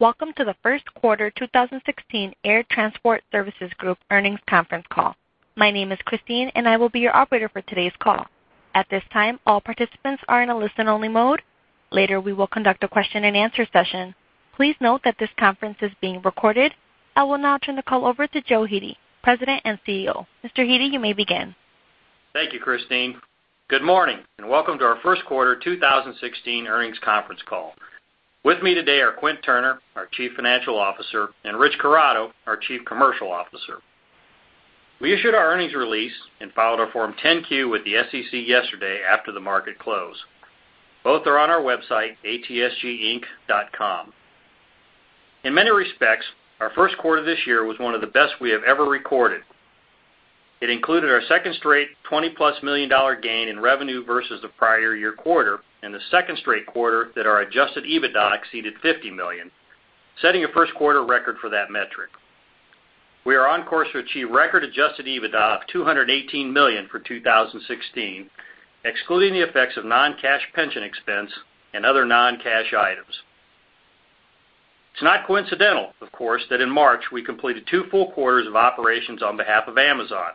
Welcome to the first quarter 2016 Air Transport Services Group earnings conference call. My name is Christine, and I will be your operator for today's call. At this time, all participants are in a listen-only mode. Later, we will conduct a question and answer session. Please note that this conference is being recorded. I will now turn the call over to Joe Hete, President and CEO. Mr. Hete, you may begin. Thank you, Christine. Good morning, and welcome to our first quarter 2016 earnings conference call. With me today are Quint Turner, our Chief Financial Officer, and Rich Corrado, our Chief Commercial Officer. We issued our earnings release and filed our Form 10-Q with the SEC yesterday after the market close. Both are on our website, atsginc.com. In many respects, our first quarter this year was one of the best we have ever recorded. It included our second straight $20 million-plus gain in revenue versus the prior year quarter and the second straight quarter that our Adjusted EBITDA exceeded $50 million, setting a first-quarter record for that metric. We are on course to achieve record Adjusted EBITDA of $218 million for 2016, excluding the effects of non-cash pension expense and other non-cash items. It's not coincidental, of course, that in March, we completed two full quarters of operations on behalf of Amazon,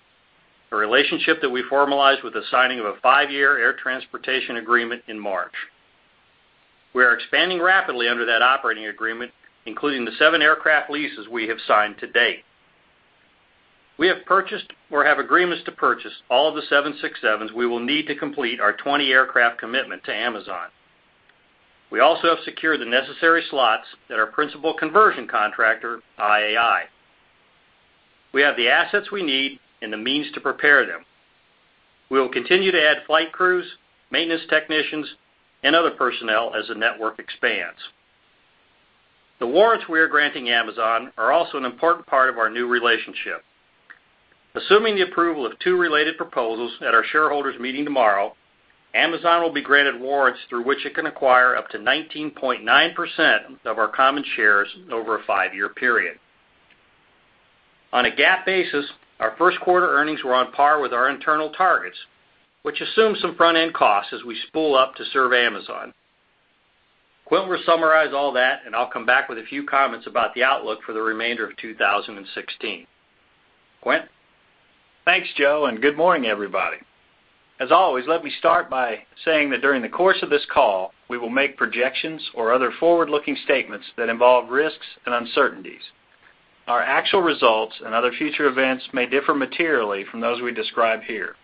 a relationship that we formalized with the signing of a five-year air transportation agreement in March. We are expanding rapidly under that operating agreement, including the seven aircraft leases we have signed to date. We have purchased or have agreements to purchase all of the 767s we will need to complete our 20 aircraft commitment to Amazon. We also have secured the necessary slots at our principal conversion contractor, IAI. We have the assets we need and the means to prepare them. We will continue to add flight crews, maintenance technicians, and other personnel as the network expands. The warrants we are granting Amazon are also an important part of our new relationship. Assuming the approval of two related proposals at our shareholders meeting tomorrow, Amazon will be granted warrants through which it can acquire up to 19.9% of our common shares over a five-year period. On a GAAP basis, our first quarter earnings were on par with our internal targets, which assume some front-end costs as we spool up to serve Amazon. Quint will summarize all that, and I'll come back with a few comments about the outlook for the remainder of 2016. Quint? Thanks, Joe. Good morning, everybody. As always, let me start by saying that during the course of this call, we will make projections or other forward-looking statements that involve risks and uncertainties. Our actual results and other future events may differ materially from those we describe here.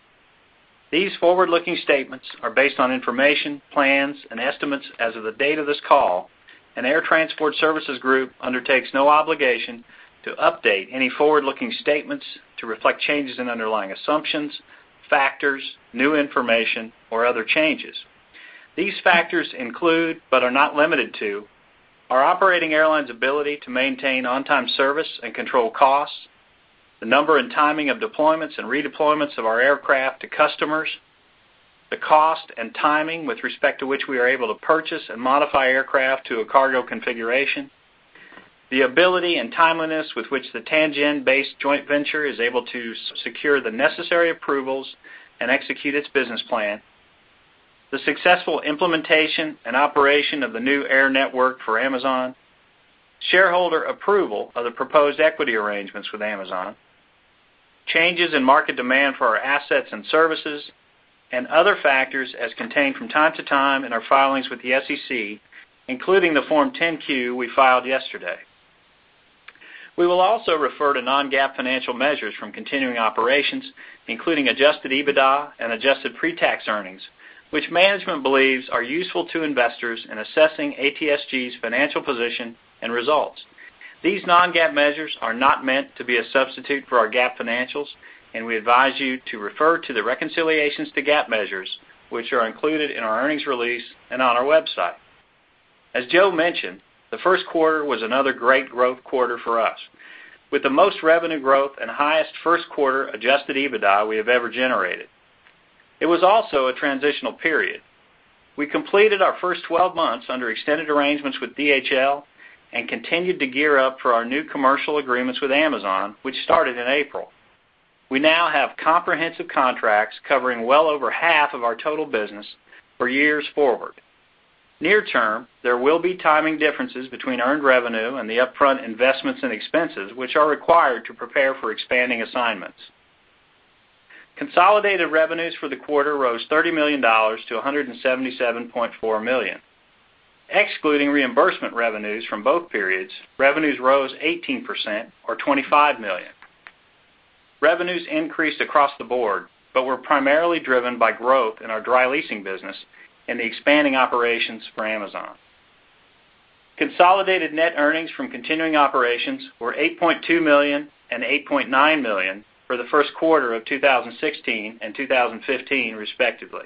These forward-looking statements are based on information, plans, and estimates as of the date of this call. Air Transport Services Group undertakes no obligation to update any forward-looking statements to reflect changes in underlying assumptions, factors, new information, or other changes. These factors include, but are not limited to, our operating airlines' ability to maintain on-time service and control costs, the number and timing of deployments and redeployments of our aircraft to customers, the cost and timing with respect to which we are able to purchase and modify aircraft to a cargo configuration, the ability and timeliness with which the Tianjin-based joint venture is able to secure the necessary approvals and execute its business plan, the successful implementation and operation of the new air network for Amazon, shareholder approval of the proposed equity arrangements with Amazon, changes in market demand for our assets and services, and other factors as contained from time to time in our filings with the SEC, including the Form 10-Q we filed yesterday. We will also refer to non-GAAP financial measures from continuing operations, including Adjusted EBITDA and adjusted pre-tax earnings, which management believes are useful to investors in assessing ATSG's financial position and results. These non-GAAP measures are not meant to be a substitute for our GAAP financials. We advise you to refer to the reconciliations to GAAP measures, which are included in our earnings release and on our website. As Joe mentioned, the first quarter was another great growth quarter for us, with the most revenue growth and highest first quarter Adjusted EBITDA we have ever generated. It was also a transitional period. We completed our first 12 months under extended arrangements with DHL and continued to gear up for our new commercial agreements with Amazon, which started in April. We now have comprehensive contracts covering well over half of our total business for years forward. Near term, there will be timing differences between earned revenue and the upfront investments and expenses, which are required to prepare for expanding assignments. Consolidated revenues for the quarter rose $30 million to $177.4 million. Excluding reimbursement revenues from both periods, revenues rose 18%, or $25 million. Revenues increased across the board, but were primarily driven by growth in our dry leasing business and the expanding operations for Amazon. Consolidated net earnings from continuing operations were $8.2 million and $8.9 million for the first quarter of 2016 and 2015, respectively.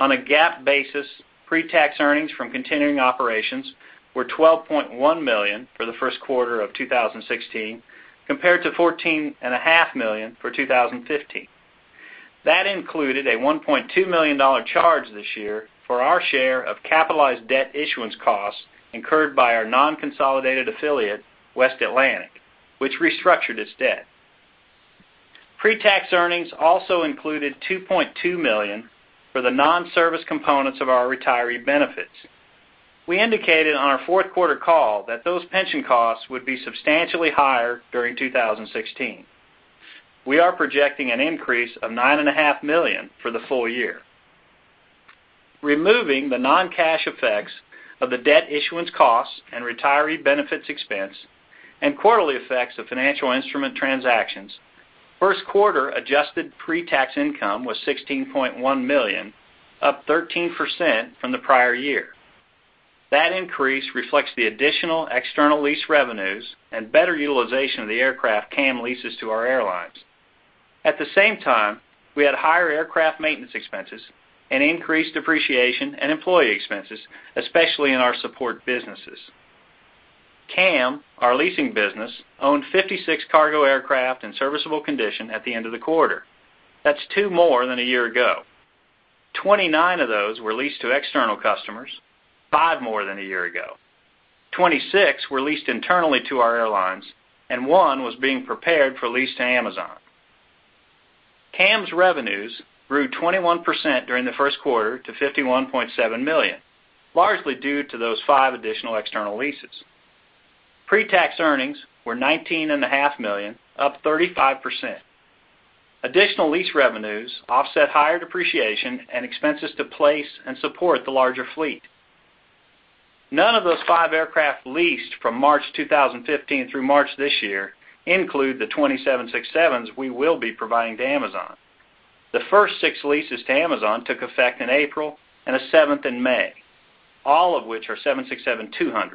On a GAAP basis, pre-tax earnings from continuing operations were $12.1 million for the first quarter of 2016, compared to $14.5 million for 2015. That included a $1.2 million charge this year for our share of capitalized debt issuance costs incurred by our non-consolidated affiliate, West Atlantic, which restructured its debt. Pre-tax earnings also included $2.2 million for the non-service components of our retiree benefits. We indicated on our fourth quarter call that those pension costs would be substantially higher during 2016. We are projecting an increase of $9.5 million for the full year. Removing the non-cash effects of the debt issuance costs and retiree benefits expense and quarterly effects of financial instrument transactions, first quarter adjusted pre-tax income was $16.1 million, up 13% from the prior year. That increase reflects the additional external lease revenues and better utilization of the aircraft CAM leases to our airlines. At the same time, we had higher aircraft maintenance expenses and increased depreciation and employee expenses, especially in our support businesses. CAM, our leasing business, owned 56 cargo aircraft in serviceable condition at the end of the quarter. That's two more than a year ago. 29 of those were leased to external customers, five more than a year ago. 26 were leased internally to our airlines, and one was being prepared for lease to Amazon. CAM's revenues grew 21% during the first quarter to $51.7 million, largely due to those five additional external leases. Pre-tax earnings were $19.5 million, up 35%. Additional lease revenues offset higher depreciation and expenses to place and support the larger fleet. None of those five aircraft leased from March 2015 through March this year include the 20 767s we will be providing to Amazon. The first six leases to Amazon took effect in April and a seventh in May, all of which are 767-200s.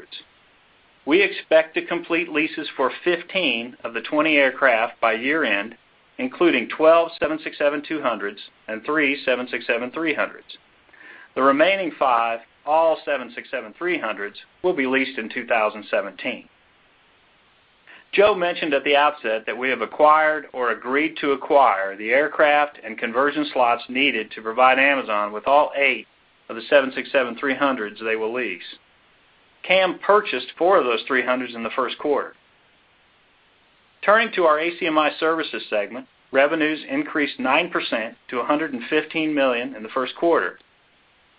We expect to complete leases for 15 of the 20 aircraft by year-end, including 12 767-200s and three 767-300s. The remaining five, all 767-300s, will be leased in 2017. Joe mentioned at the outset that we have acquired or agreed to acquire the aircraft and conversion slots needed to provide Amazon with all eight of the 767-300s they will lease. CAM purchased four of those 300s in the first quarter. Turning to our ACMI Services segment, revenues increased 9% to $115 million in the first quarter.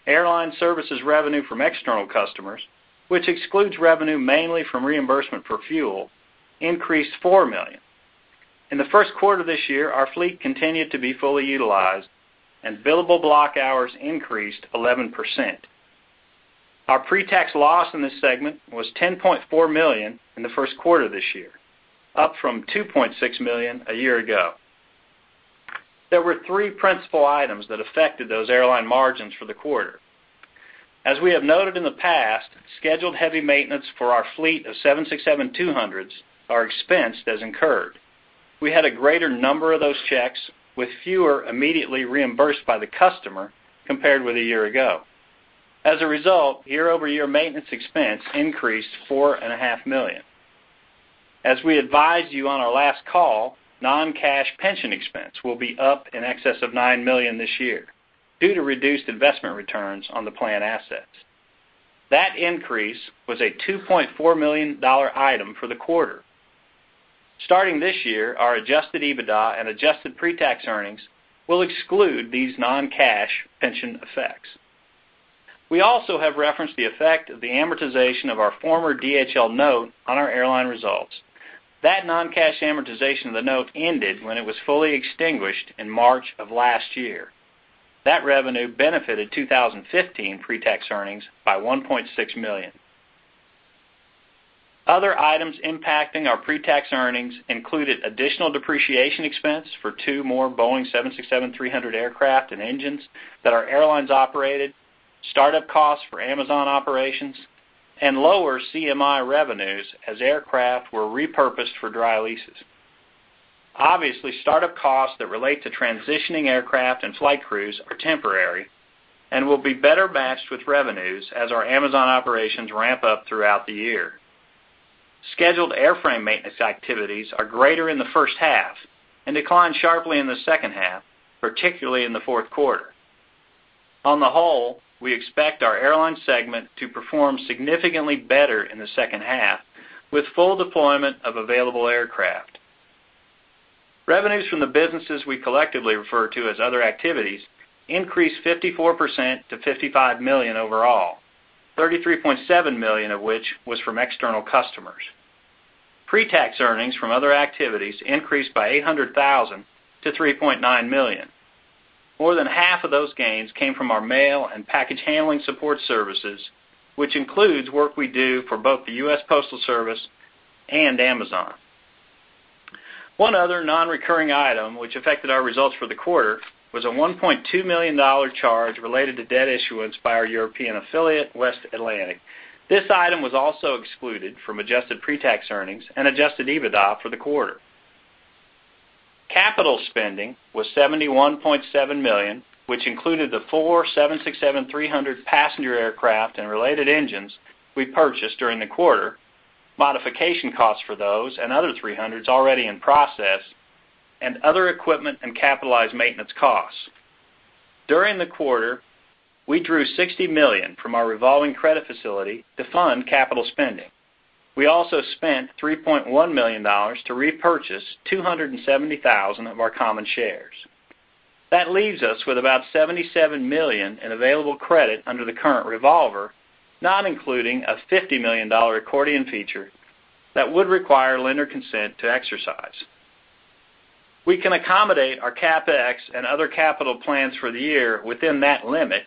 Airline services revenue from external customers, which excludes revenue mainly from reimbursement for fuel, increased $4 million. In the first quarter of this year, our fleet continued to be fully utilized, and billable block hours increased 11%. Our pre-tax loss in this segment was $10.4 million in the first quarter of this year, up from $2.6 million a year ago. There were three principal items that affected those airline margins for the quarter. As we have noted in the past, scheduled heavy maintenance for our fleet of 767-200s are expensed as incurred. We had a greater number of those checks, with fewer immediately reimbursed by the customer, compared with a year ago. As a result, year-over-year maintenance expense increased $4.5 million. As we advised you on our last call, non-cash pension expense will be up in excess of $9 million this year due to reduced investment returns on the plan assets. That increase was a $2.4 million item for the quarter. Starting this year, our Adjusted EBITDA and adjusted pre-tax earnings will exclude these non-cash pension effects. We also have referenced the effect of the amortization of our former DHL note on our airline results. That non-cash amortization of the note ended when it was fully extinguished in March of last year. That revenue benefited 2015 pre-tax earnings by $1.6 million. Other items impacting our pre-tax earnings included additional depreciation expense for two more Boeing 767-300 aircraft and engines that our airlines operated, startup costs for Amazon operations, and lower CMI revenues as aircraft were repurposed for dry leases. Obviously, startup costs that relate to transitioning aircraft and flight crews are temporary and will be better matched with revenues as our Amazon operations ramp up throughout the year. Scheduled airframe maintenance activities are greater in the first half and decline sharply in the second half, particularly in the fourth quarter. On the whole, we expect our airline segment to perform significantly better in the second half, with full deployment of available aircraft. Revenues from the businesses we collectively refer to as Other Activities increased 54% to $55 million overall, $33.7 million of which was from external customers. Pre-tax earnings from Other Activities increased by $800,000 to $3.9 million. More than half of those gains came from our mail and package handling support services, which includes work we do for both the U.S. Postal Service and Amazon. One other non-recurring item which affected our results for the quarter was a $1.2 million charge related to debt issuance by our European affiliate, West Atlantic. This item was also excluded from adjusted pre-tax earnings and Adjusted EBITDA for the quarter. Capital spending was $71.7 million, which included the four 767-300 passenger aircraft and related engines we purchased during the quarter, modification costs for those and other 300s already in process, and other equipment and capitalized maintenance costs. During the quarter, we drew $60 million from our revolving credit facility to fund capital spending. We also spent $3.1 million to repurchase 270,000 of our common shares. That leaves us with about $77 million in available credit under the current revolver, not including a $50 million accordion feature that would require lender consent to exercise. We can accommodate our CapEx and other capital plans for the year within that limit.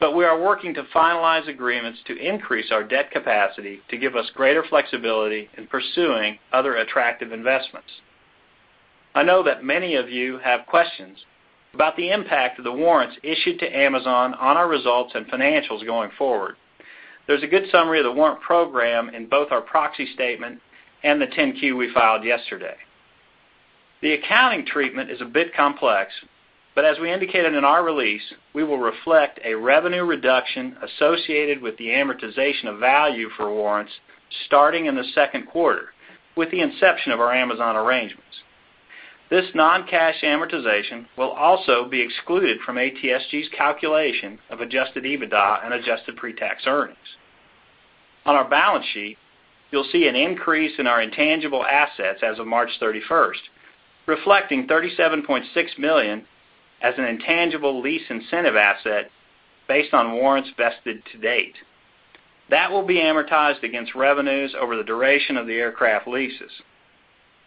We are working to finalize agreements to increase our debt capacity to give us greater flexibility in pursuing other attractive investments. I know that many of you have questions about the impact of the warrants issued to Amazon on our results and financials going forward. There's a good summary of the warrant program in both our proxy statement and the 10-Q we filed yesterday. The accounting treatment is a bit complex, but as we indicated in our release, we will reflect a revenue reduction associated with the amortization of value for warrants starting in the second quarter, with the inception of our Amazon arrangements. This non-cash amortization will also be excluded from ATSG's calculation of Adjusted EBITDA and adjusted pretax earnings. On our balance sheet, you'll see an increase in our intangible assets as of March 31st, reflecting $37.6 million as an intangible lease incentive asset based on warrants vested to date. That will be amortized against revenues over the duration of the aircraft leases.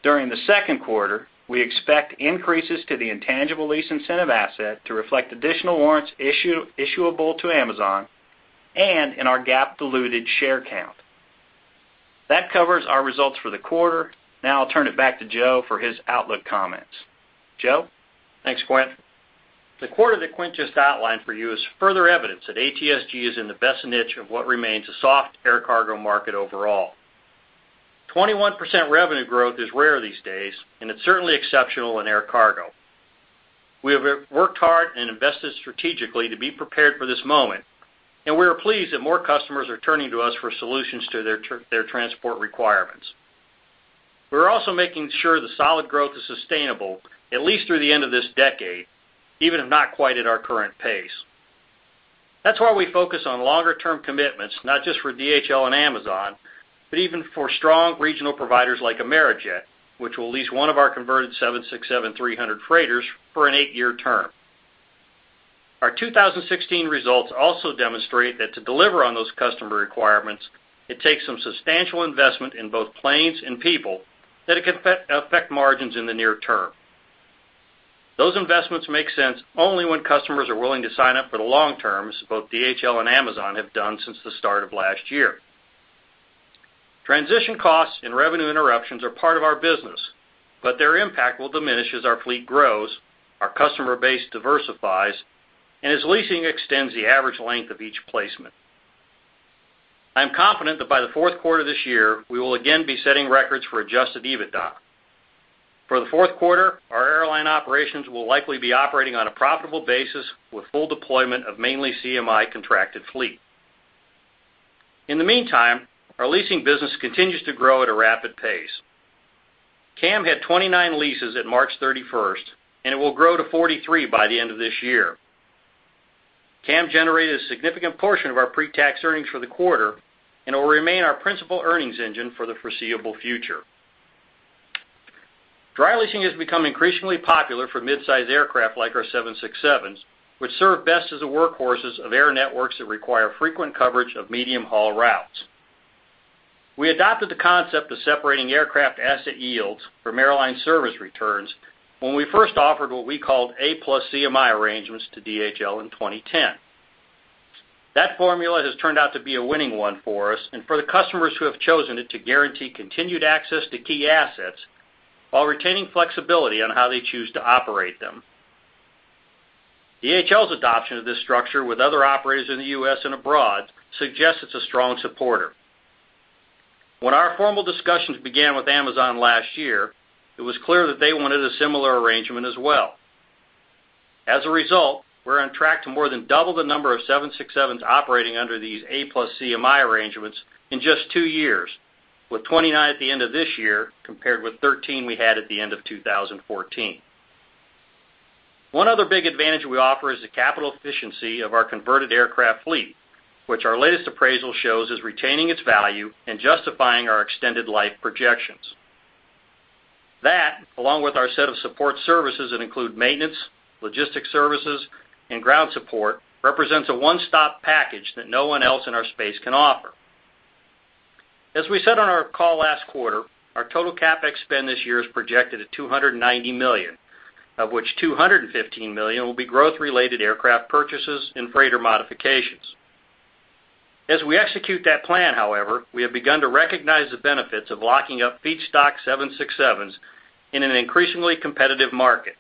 During the second quarter, we expect increases to the intangible lease incentive asset to reflect additional warrants issuable to Amazon and in our GAAP diluted share count. That covers our results for the quarter. I'll turn it back to Joe for his outlook comments. Joe? Thanks, Quint. The quarter that Quint just outlined for you is further evidence that ATSG is in the best niche of what remains a soft air cargo market overall. 21% revenue growth is rare these days. It's certainly exceptional in air cargo. We have worked hard and invested strategically to be prepared for this moment. We are pleased that more customers are turning to us for solutions to their transport requirements. We're also making sure the solid growth is sustainable at least through the end of this decade, even if not quite at our current pace. That's why we focus on longer-term commitments, not just for DHL and Amazon, but even for strong regional providers like Amerijet, which will lease one of our converted 767-300 freighters for an eight-year term. Our 2016 results also demonstrate that to deliver on those customer requirements, it takes some substantial investment in both planes and people that it can affect margins in the near term. Those investments make sense only when customers are willing to sign up for the long term, as both DHL and Amazon have done since the start of last year. Transition costs and revenue interruptions are part of our business. Their impact will diminish as our fleet grows, our customer base diversifies, and as leasing extends the average length of each placement. I am confident that by the fourth quarter of this year, we will again be setting records for Adjusted EBITDA. For the fourth quarter, our airline operations will likely be operating on a profitable basis with full deployment of mainly CMI contracted fleet. In the meantime, our leasing business continues to grow at a rapid pace. CAM had 29 leases at March 31st. It will grow to 43 by the end of this year. CAM generated a significant portion of our pretax earnings for the quarter and will remain our principal earnings engine for the foreseeable future. Dry leasing has become increasingly popular for midsize aircraft like our 767s, which serve best as the workhorses of air networks that require frequent coverage of medium-haul routes. We adopted the concept of separating aircraft asset yields from airline service returns when we first offered what we called A plus CMI arrangements to DHL in 2010. That formula has turned out to be a winning one for us and for the customers who have chosen it to guarantee continued access to key assets while retaining flexibility on how they choose to operate them. DHL's adoption of this structure with other operators in the U.S. and abroad suggests it's a strong supporter. When our formal discussions began with Amazon last year, it was clear that they wanted a similar arrangement as well. As a result, we're on track to more than double the number of 767s operating under these A plus CMI arrangements in just two years, with 29 at the end of this year, compared with 13 we had at the end of 2014. One other big advantage we offer is the capital efficiency of our converted aircraft fleet, which our latest appraisal shows is retaining its value and justifying our extended life projections. That, along with our set of support services that include maintenance, logistics services, and ground support, represents a one-stop package that no one else in our space can offer. As we said on our call last quarter, our total CapEx spend this year is projected at $290 million, of which $215 million will be growth-related aircraft purchases and freighter modifications. As we execute that plan, however, we have begun to recognize the benefits of locking up feedstock 767s in an increasingly competitive market.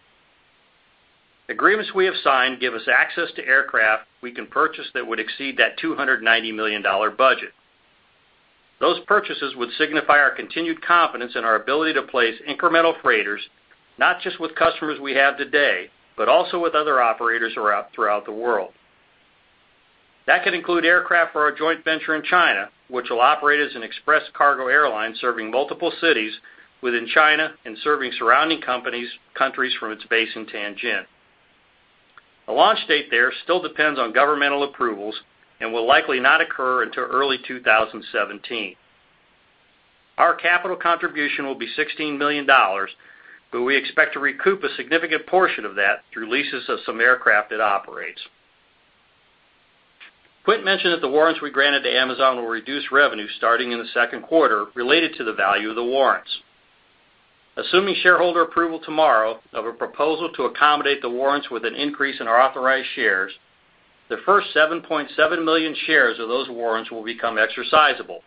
Agreements we have signed give us access to aircraft we can purchase that would exceed that $290 million budget. Those purchases would signify our continued confidence in our ability to place incremental freighters, not just with customers we have today, but also with other operators throughout the world. That could include aircraft for our joint venture in China, which will operate as an express cargo airline serving multiple cities within China and serving surrounding countries from its base in Tianjin. A launch date there still depends on governmental approvals and will likely not occur until early 2017. Our capital contribution will be $16 million, but we expect to recoup a significant portion of that through leases of some aircraft it operates. Quint mentioned that the warrants we granted to Amazon will reduce revenue starting in the second quarter related to the value of the warrants. Assuming shareholder approval tomorrow of a proposal to accommodate the warrants with an increase in our authorized shares, the first 7.7 million shares of those warrants will become exercisable,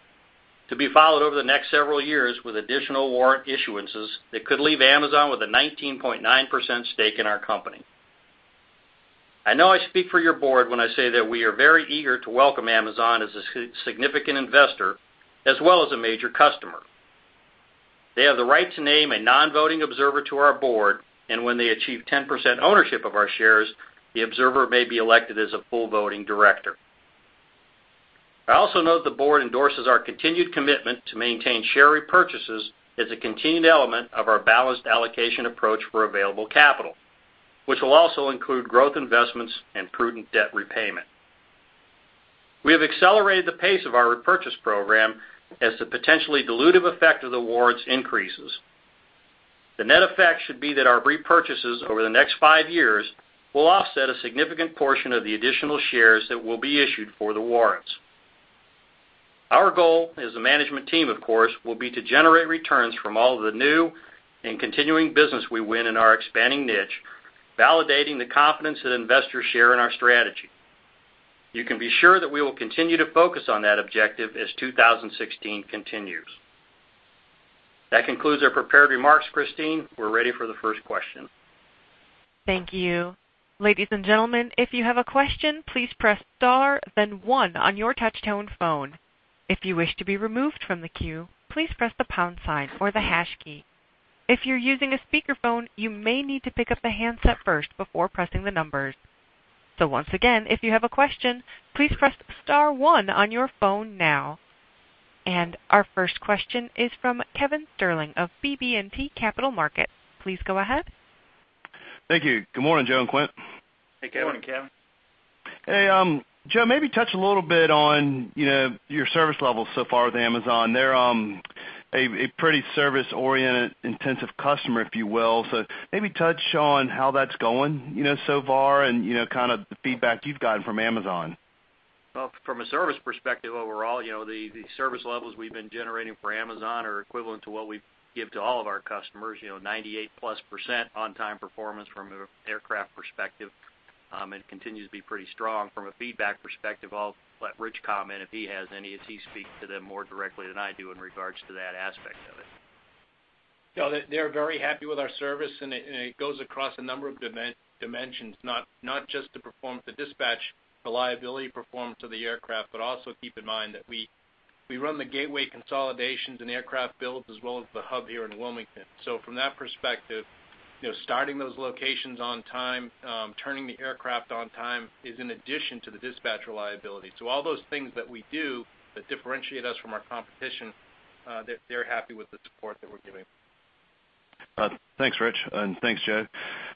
to be filed over the next several years with additional warrant issuances that could leave Amazon with a 19.9% stake in our company. I know I speak for your board when I say that we are very eager to welcome Amazon as a significant investor as well as a major customer. They have the right to name a non-voting observer to our board. When they achieve 10% ownership of our shares, the observer may be elected as a full voting director. I also note the board endorses our continued commitment to maintain share repurchases as a continued element of our balanced allocation approach for available capital, which will also include growth investments and prudent debt repayment. We have accelerated the pace of our repurchase program as the potentially dilutive effect of the warrants increases. The net effect should be that our repurchases over the next five years will offset a significant portion of the additional shares that will be issued for the warrants. Our goal as a management team, of course, will be to generate returns from all of the new and continuing business we win in our expanding niche, validating the confidence that investors share in our strategy. You can be sure that we will continue to focus on that objective as 2016 continues. That concludes our prepared remarks. Christine, we're ready for the first question. Thank you. Ladies and gentlemen, if you have a question, please press star then one on your touch-tone phone. If you wish to be removed from the queue, please press the pound sign or the hash key. If you're using a speakerphone, you may need to pick up the handset first before pressing the numbers. Once again, if you have a question, please press star one on your phone now. Our first question is from Kevin Sterling of BB&T Capital Markets. Please go ahead. Thank you. Good morning, Joe and Quint. Hey, Kevin. Good morning, Kevin. Hey, Joe, maybe touch a little bit on your service levels so far with Amazon. They're a pretty service-oriented, intensive customer, if you will. Maybe touch on how that's going so far and the feedback you've gotten from Amazon. Well, from a service perspective overall, the service levels we've been generating for Amazon are equivalent to what we give to all of our customers, 98+% on-time performance from an aircraft perspective, and continues to be pretty strong from a feedback perspective. I'll let Rich comment if he has any, as he speaks to them more directly than I do in regards to that aspect of it. No, they're very happy with our service, and it goes across a number of dimensions, not just the dispatch reliability performance of the aircraft, but also keep in mind that we run the gateway consolidations and aircraft builds as well as the hub here in Wilmington. From that perspective, starting those locations on time, turning the aircraft on time is an addition to the dispatch reliability. All those things that we do that differentiate us from our competition, they're happy with the support that we're giving. Thanks, Rich, and thanks, Joe.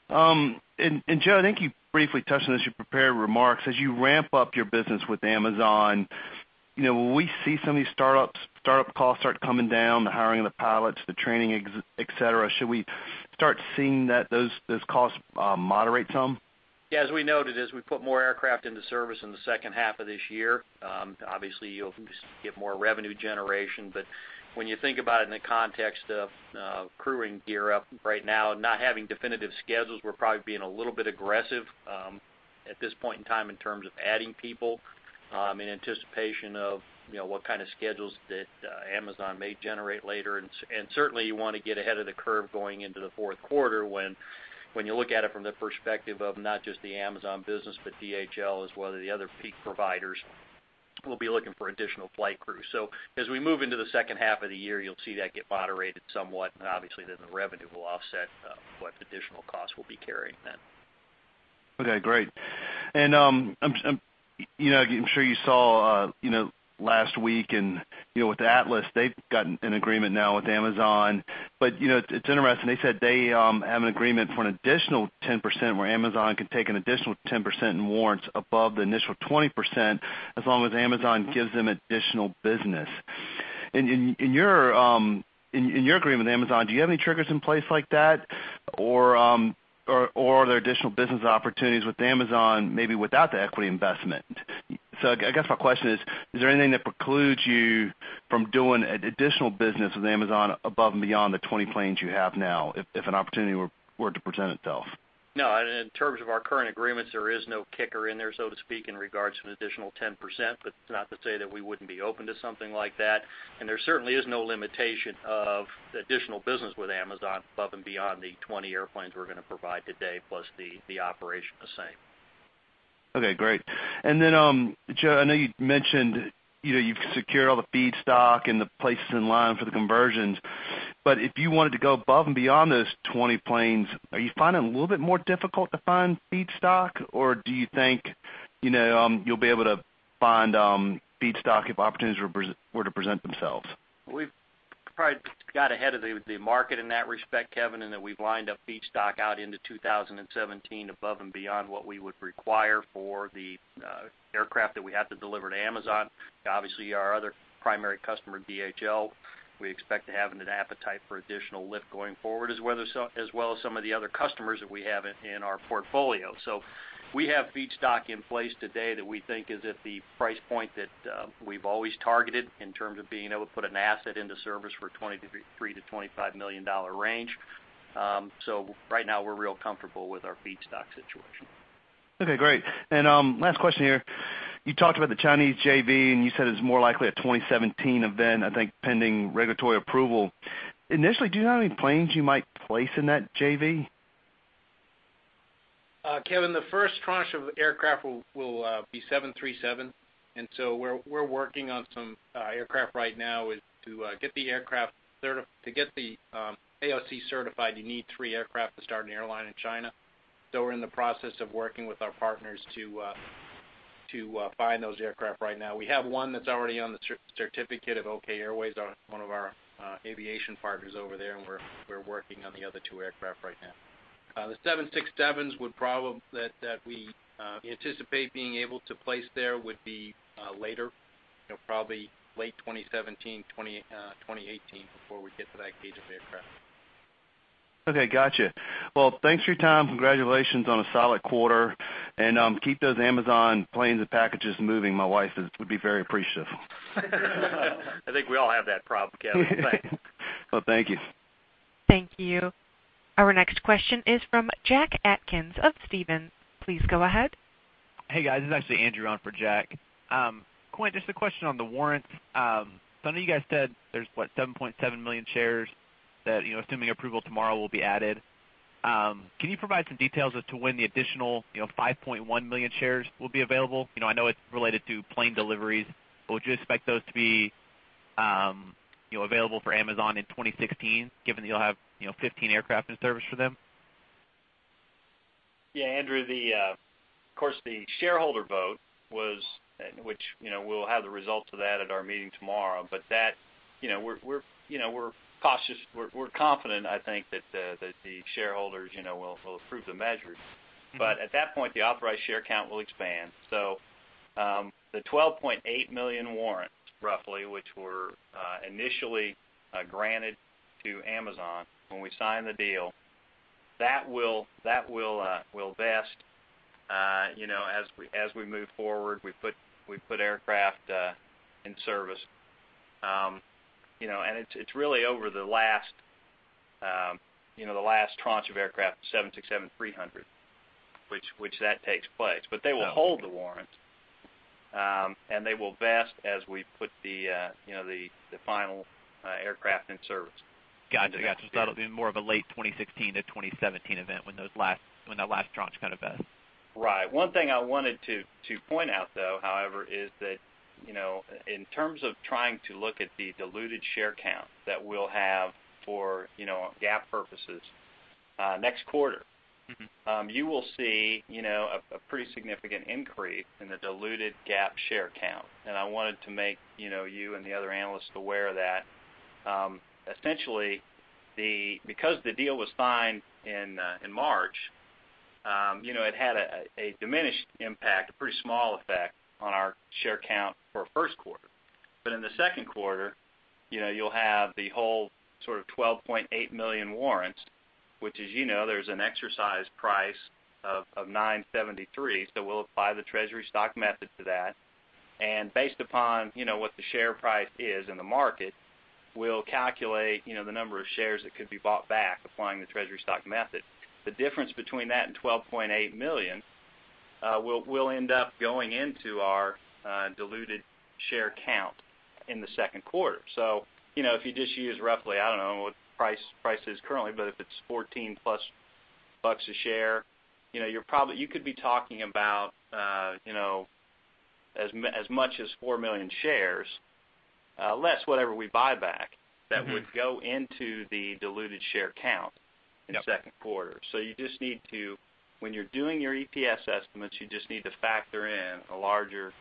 Joe, I think you briefly touched on this in your prepared remarks. As you ramp up your business with Amazon, will we see some of these startup costs start coming down, the hiring of the pilots, the training, et cetera? Should we start seeing those costs moderate some? Yeah, as we noted, as we put more aircraft into service in the second half of this year, obviously, you'll get more revenue generation. When you think about it in the context of crewing gear up right now, not having definitive schedules, we're probably being a little bit aggressive at this point in time in terms of adding people in anticipation of what kind of schedules that Amazon may generate later. Certainly, you want to get ahead of the curve going into the fourth quarter when you look at it from the perspective of not just the Amazon business, but DHL as one of the other peak providers will be looking for additional flight crew. As we move into the second half of the year, you'll see that get moderated somewhat, and obviously then the revenue will offset what additional costs we'll be carrying then. Okay, great. I'm sure you saw last week and with Atlas, they've got an agreement now with Amazon, but it's interesting, they said they have an agreement for an additional 10% where Amazon can take an additional 10% in warrants above the initial 20%, as long as Amazon gives them additional business. In your agreement with Amazon, do you have any triggers in place like that, or are there additional business opportunities with Amazon maybe without the equity investment? I guess my question is there anything that precludes you from doing additional business with Amazon above and beyond the 20 planes you have now if an opportunity were to present itself? No, in terms of our current agreements, there is no kicker in there, so to speak, in regards to an additional 10%, but not to say that we wouldn't be open to something like that. There certainly is no limitation of additional business with Amazon above and beyond the 20 airplanes we're going to provide today plus the operation the same. Okay, great. Then, Joe, I know you mentioned you've secured all the feedstock and the places in line for the conversions. If you wanted to go above and beyond those 20 planes, are you finding it a little bit more difficult to find feedstock? Or do you think you'll be able to find feedstock if opportunities were to present themselves? We've probably got ahead of the market in that respect, Kevin, in that we've lined up feedstock out into 2017 above and beyond what we would require for the aircraft that we have to deliver to Amazon. Obviously, our other primary customer, DHL, we expect to have an appetite for additional lift going forward, as well as some of the other customers that we have in our portfolio. We have feedstock in place today that we think is at the price point that we've always targeted in terms of being able to put an asset into service for $23 million-$25 million range. Right now, we're real comfortable with our feedstock situation. Okay, great. Last question here. You talked about the Chinese JV, and you said it's more likely a 2017 event, I think, pending regulatory approval. Initially, do you know how many planes you might place in that JV? Kevin, the first tranche of aircraft will be 737. We're working on some aircraft right now. To get the AOC certified, you need three aircraft to start an airline in China. We're in the process of working with our partners to find those aircraft right now. We have one that's already on the certificate of Okay Airways, one of our aviation partners over there, and we're working on the other two aircraft right now. The 767s that we anticipate being able to place there would be later, probably late 2017, 2018, before we get to that gauge of aircraft. Okay, got you. Well, thanks for your time. Congratulations on a solid quarter. Keep those Amazon planes and packages moving. My wife would be very appreciative. I think we all have that problem, Kevin. Thanks. Well, thank you. Thank you. Our next question is from Jack Atkins of Stephens. Please go ahead. Hey, guys. This is actually Andrew on for Jack. Quint, just a question on the warrants. I know you guys said there's, what, 7.7 million shares that, assuming approval tomorrow, will be added. Can you provide some details as to when the additional 5.1 million shares will be available? I know it's related to plane deliveries, but would you expect those to be available for Amazon in 2016, given that you'll have 15 aircraft in service for them? Yeah, Andrew, of course, the shareholder vote, which we'll have the results of that at our meeting tomorrow. We're confident, I think, that the shareholders will approve the measures. At that point, the authorized share count will expand. The 12.8 million warrants, roughly, which were initially granted to Amazon when we signed the deal, that will vest as we move forward, we put aircraft in service. It's really over the last tranche of aircraft, the 767-300, which that takes place. They will hold the warrants, and they will vest as we put the final aircraft in service. Got you. That'll be more of a late 2016 to 2017 event when that last tranche vests. Right. One thing I wanted to point out, though, however, is that in terms of trying to look at the diluted share count that we'll have for GAAP purposes next quarter, you will see a pretty significant increase in the diluted GAAP share count. I wanted to make you and the other analysts aware of that. Essentially, because the deal was signed in March, it had a diminished impact, a pretty small effect on our share count for first quarter. In the second quarter, you'll have the whole sort of 12.8 million warrants, which, as you know, there's an exercise price of $9.73, we'll apply the treasury stock method to that. Based upon what the share price is in the market, we'll calculate the number of shares that could be bought back applying the treasury stock method. The difference between that and 12.8 million will end up going into our diluted share count in the second quarter. If you just use roughly, I don't know what the price is currently, but if it's $14-plus bucks a share, you could be talking about as much as 4 million shares, less whatever we buy back, that would go into the diluted share count in the second quarter. When you're doing your EPS estimates, you just need to factor in a larger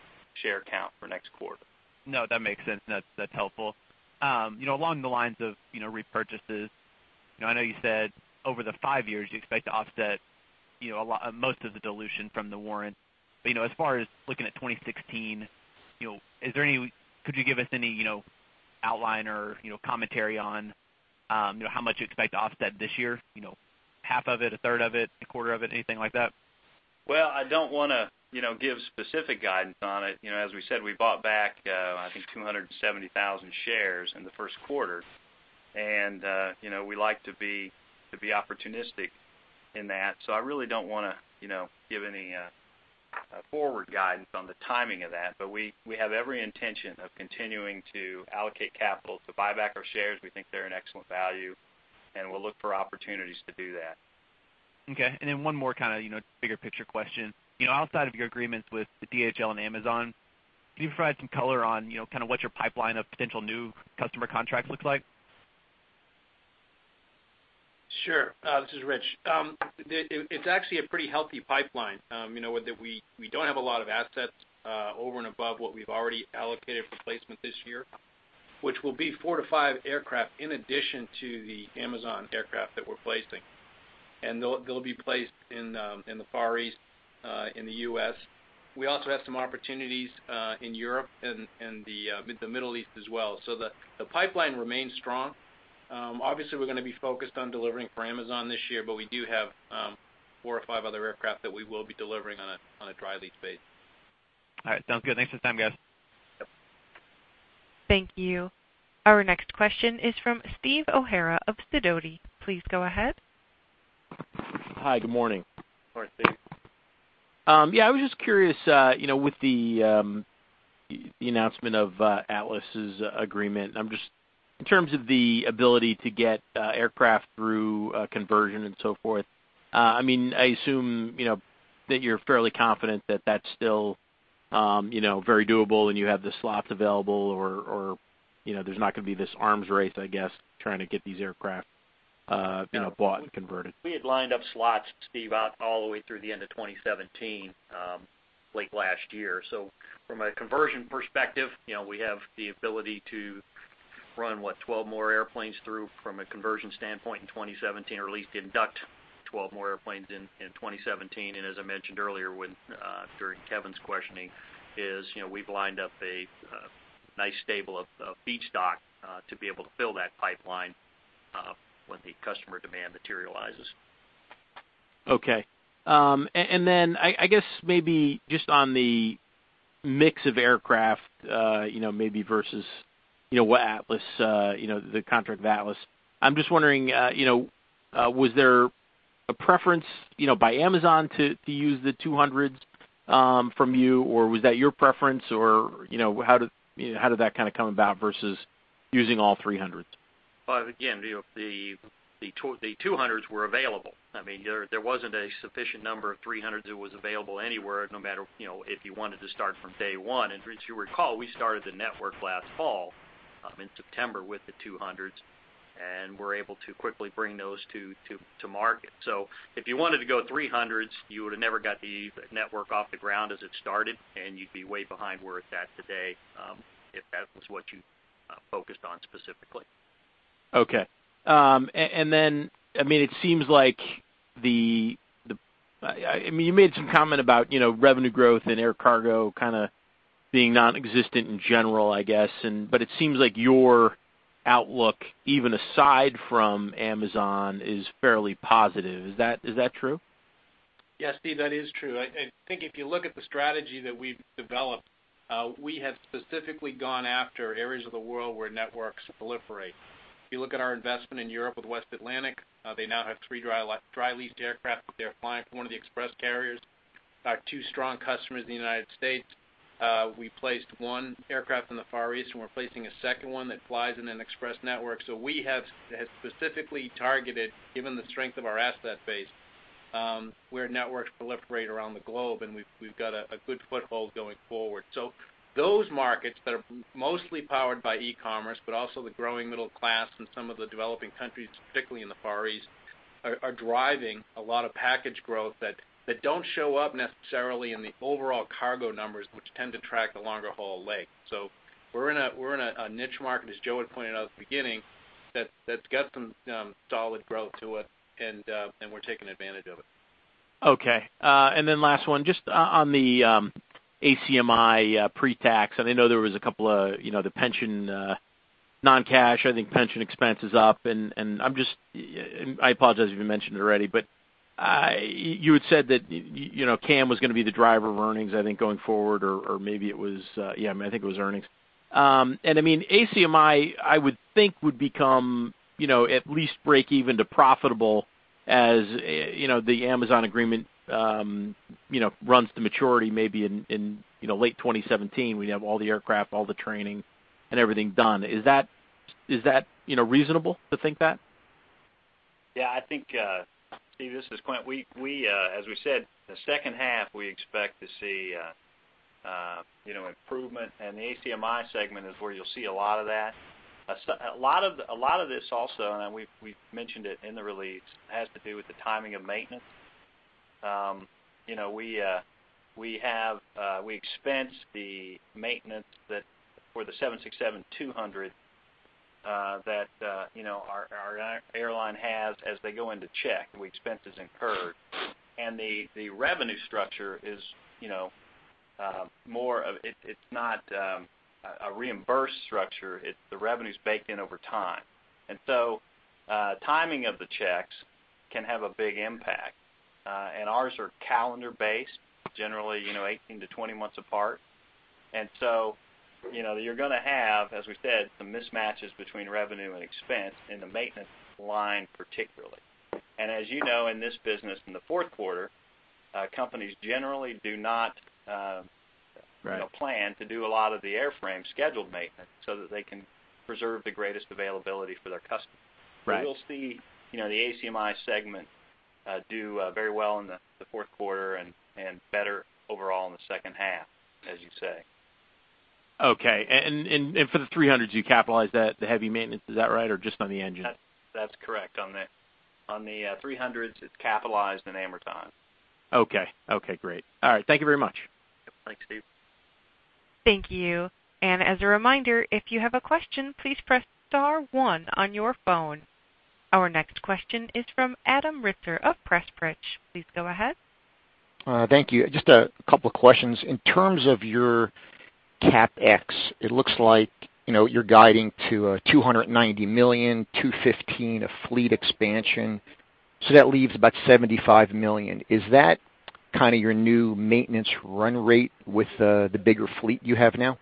share count for next quarter. No, that makes sense, and that is helpful. Along the lines of repurchases, I know you said over the five years, you expect to offset most of the dilution from the warrant. As far as looking at 2016, could you give us any outline or commentary on how much you expect to offset this year? Half of it, a third of it, a quarter of it, anything like that? Well, I don't want to give specific guidance on it. As we said, we bought back, I think, 270,000 shares in the first quarter, and we like to be opportunistic in that. I really don't want to give any forward guidance on the timing of that. We have every intention of continuing to allocate capital to buy back our shares. We think they're an excellent value, and we'll look for opportunities to do that. Okay. One more kind of bigger picture question. Outside of your agreements with DHL and Amazon, can you provide some color on kind of what your pipeline of potential new customer contracts looks like? Sure. This is Rich. It's actually a pretty healthy pipeline that we don't have a lot of assets over and above what we've already allocated for placement this year, which will be four to five aircraft in addition to the Amazon aircraft that we're placing. They'll be placed in the Far East, in the U.S. We also have some opportunities in Europe and the Middle East as well. The pipeline remains strong. Obviously, we're going to be focused on delivering for Amazon this year, but we do have four or five other aircraft that we will be delivering on a dry lease base. All right. Sounds good. Thanks for the time, guys. Thank you. Our next question is from Steve O'Hara of Sidoti. Please go ahead. Hi. Good morning. Morning, Steve. Yeah, I was just curious, with the announcement of Atlas' agreement, in terms of the ability to get aircraft through conversion and so forth, I assume that you're fairly confident that that's still very doable and you have the slots available or there's not going to be this arms race, I guess, trying to get these aircraft bought and converted. We had lined up slots, Steve, out all the way through the end of 2017, late last year. From a conversion perspective, we have the ability to run, what, 12 more airplanes through from a conversion standpoint in 2017, or at least induct 12 more airplanes in 2017. As I mentioned earlier during Kevin's questioning, we've lined up a nice stable of feedstock to be able to fill that pipeline when the customer demand materializes. Okay. Then I guess maybe just on the mix of aircraft maybe versus the contract with Atlas. I'm just wondering, was there a preference by Amazon to use the 200s from you, or was that your preference, or how did that kind of come about versus using all 300s? Again, the 200s were available. There wasn't a sufficient number of 300s that was available anywhere, no matter if you wanted to start from day one. As you recall, we started the network last fall in September with the 200s, and were able to quickly bring those to market. If you wanted to go 300s, you would have never got the network off the ground as it started, and you'd be way behind where it's at today, if that was what you focused on specifically. Okay. It seems like you made some comment about revenue growth and air cargo kind of being nonexistent in general, I guess. It seems like your outlook, even aside from Amazon, is fairly positive. Is that true? Yes, Steve, that is true. I think if you look at the strategy that we've developed, we have specifically gone after areas of the world where networks proliferate. If you look at our investment in Europe with West Atlantic, they now have three dry-leased aircraft that they are flying for one of the express carriers. Our two strong customers in the U.S. We placed one aircraft in the Far East, and we're placing a second one that flies in an express network. We have specifically targeted, given the strength of our asset base, where networks proliferate around the globe, and we've got a good foothold going forward. Those markets that are mostly powered by e-commerce, but also the growing middle class in some of the developing countries, particularly in the Far East, are driving a lot of package growth that don't show up necessarily in the overall cargo numbers, which tend to track the longer haul leg. We're in a niche market, as Joe Hete had pointed out at the beginning, that's got some solid growth to it, and we're taking advantage of it. Okay. Last one, just on the ACMI pretax. I know there was a couple of the pension non-cash. I think pension expense is up, and I apologize if you mentioned it already, but you had said that CAM was going to be the driver of earnings, I think, going forward, or maybe it was, yeah, I think it was earnings. ACMI, I would think, would become at least break even to profitable as the Amazon agreement runs to maturity, maybe in late 2017, when you have all the aircraft, all the training, and everything done. Is that reasonable to think that? Yeah, I think, Steve, this is Quint. As we said, the second half, we expect to see improvement, the ACMI segment is where you'll see a lot of that. A lot of this also, we've mentioned it in the release, has to do with the timing of maintenance. We expense the maintenance for the 767-200 that our airline has as they go into check, the expense is incurred. The revenue structure, it's not a reimbursed structure. The revenue's baked in over time. Timing of the checks can have a big impact. Ours are calendar-based, generally 18 to 20 months apart. You're going to have, as we said, some mismatches between revenue and expense in the maintenance line particularly. As you know, in this business in the fourth quarter, companies generally do not plan to do a lot of the airframe scheduled maintenance so that they can preserve the greatest availability for their customers. Right. You will see the ACMI segment do very well in the fourth quarter and better overall in the second half, as you say. Okay. For the 300, do you capitalize the heavy maintenance, is that right? Or just on the engine? That's correct. On the 300s, it's capitalized in Amortization. Okay. Okay, great. All right. Thank you very much. Yep. Thanks, Steve. Thank you. As a reminder, if you have a question, please press star one on your phone. Our next question is from Adam Ritzer of Pressprich. Please go ahead. Thank you. Just a couple of questions. In terms of your CapEx, it looks like you're guiding to $290 million, $215 million of fleet expansion. That leaves about $75 million. Is that kind of your new maintenance run rate with the bigger fleet you have now?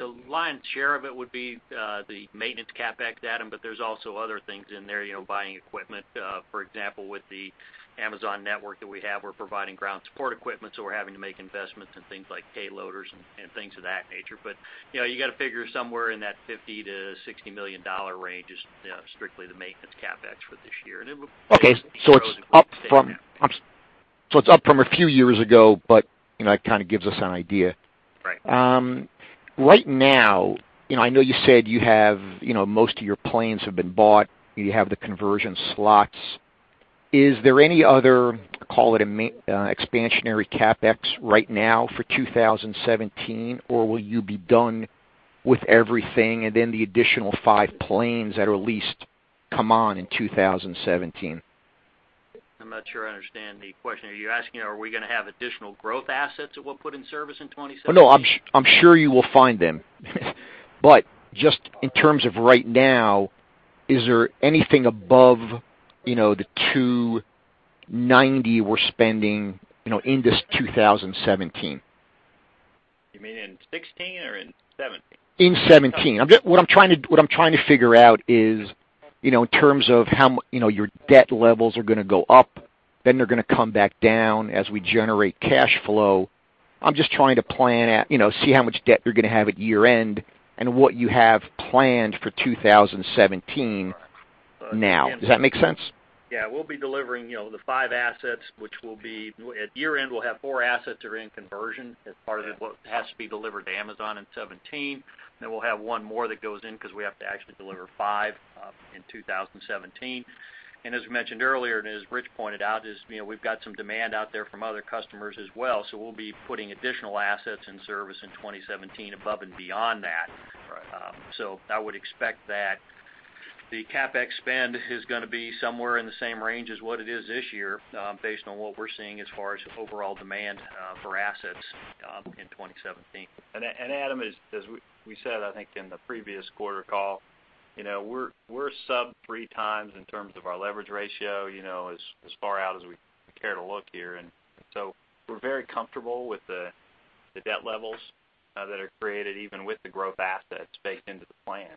The lion's share of it would be the maintenance CapEx, Adam, there's also other things in there, buying equipment. For example, with the Amazon network that we have, we're providing ground support equipment, we're having to make investments in things like payloaders and things of that nature. You got to figure somewhere in that $50 million-$60 million range is strictly the maintenance CapEx for this year. Okay. It's up from a few years ago, it kind of gives us an idea. Right. Right now, I know you said most of your planes have been bought. You have the conversion slots. Is there any other, call it expansionary CapEx right now for 2017, or will you be done with everything and then the additional five planes that are leased come on in 2017? I'm not sure I understand the question. Are you asking, are we going to have additional growth assets that we'll put in service in 2017? No, I'm sure you will find them. Just in terms of right now, is there anything above the $290 million we're spending in this 2017? You mean in 2016 or in 2017? In 2017. What I'm trying to figure out is, in terms of how your debt levels are going to go up, then they're going to come back down as we generate cash flow. I'm just trying to plan, see how much debt you're going to have at year-end, and what you have planned for 2017 now. Does that make sense? We'll be delivering the 5 assets, which will be at year-end, we'll have 4 assets that are in conversion as part of what has to be delivered to Amazon in 2017. We'll have 1 more that goes in because we have to actually deliver 5 in 2017. As we mentioned earlier, and as Rich pointed out, we've got some demand out there from other customers as well. We'll be putting additional assets in service in 2017 above and beyond that. Right. I would expect that the CapEx spend is going to be somewhere in the same range as what it is this year, based on what we're seeing as far as overall demand for assets in 2017. Adam, as we said, I think, in the previous quarter call, we're sub 3 times in terms of our leverage ratio, as far out as we care to look here. We're very comfortable with the debt levels that are created, even with the growth assets baked into the plan.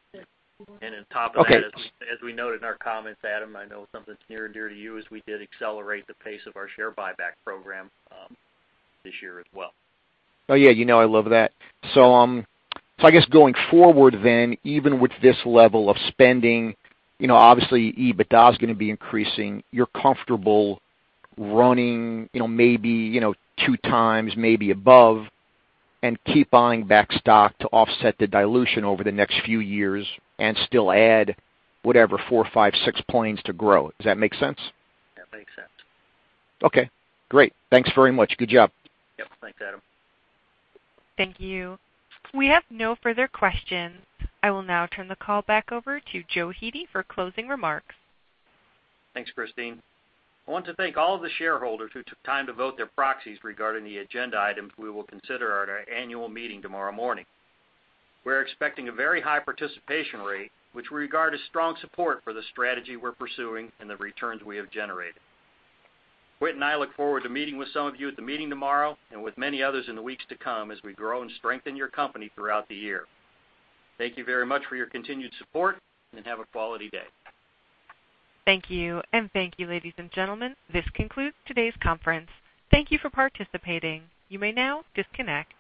Okay. On top of that, as we noted in our comments, Adam, I know something that's near and dear to you is we did accelerate the pace of our share buyback program this year as well. Oh, yeah. You know I love that. I guess going forward, even with this level of spending, obviously EBITDA is going to be increasing. You're comfortable running maybe two times, maybe above, and keep buying back stock to offset the dilution over the next few years and still add whatever, four, five, six planes to grow. Does that make sense? That makes sense. Okay, great. Thanks very much. Good job. Yep. Thanks, Adam. Thank you. We have no further questions. I will now turn the call back over to Joe Hete for closing remarks. Thanks, Christine. I want to thank all of the shareholders who took time to vote their proxies regarding the agenda items we will consider at our annual meeting tomorrow morning. We're expecting a very high participation rate, which we regard as strong support for the strategy we're pursuing and the returns we have generated. Whit and I look forward to meeting with some of you at the meeting tomorrow and with many others in the weeks to come as we grow and strengthen your company throughout the year. Thank you very much for your continued support, have a quality day. Thank you. Thank you, ladies and gentlemen. This concludes today's conference. Thank you for participating. You may now disconnect.